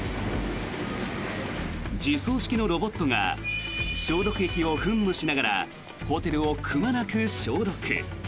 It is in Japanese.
自走式のロボットが消毒液を噴霧しながらホテルをくまなく消毒。